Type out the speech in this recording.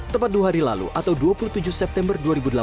tepat dua hari lalu atau dua puluh tujuh september dua ribu delapan belas